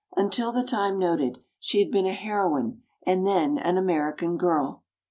Until the time noted, she had been a heroine and then an American girl.